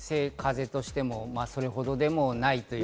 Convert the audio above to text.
風としてもそれほどでもない。